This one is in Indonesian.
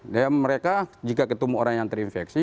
dan mereka jika ketemu orang yang terinfeksi